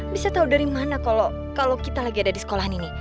bisa tau dari mana kalo kita lagi ada di sekolahan ini